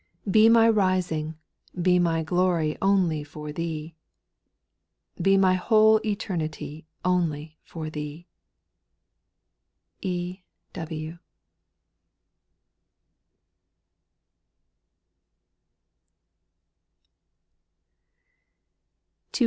; 7. Be my rising, be my glory Only for Thee. Be my whole eternity Only for Thee. ' s.